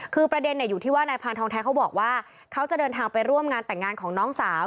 คือประเด็นอยู่ที่ว่านายพานทองแท้เขาบอกว่าเขาจะเดินทางไปร่วมงานแต่งงานของน้องสาว